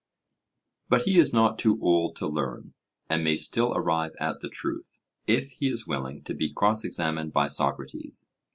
But he is not too old to learn, and may still arrive at the truth, if he is willing to be cross examined by Socrates.